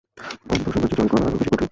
অন্তঃসাম্রাজ্য জয় করা আরও বেশী কঠিন।